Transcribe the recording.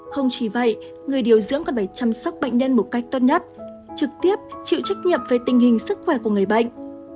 không chỉ vậy người điều dưỡng còn phải chăm sóc bệnh nhân một cách tốt nhất trực tiếp chịu trách nhiệm về tình hình sức khỏe của người bệnh